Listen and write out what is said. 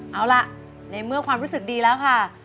เอาล่ะในเมื่อความรู้สึกดีแล้วค่ะ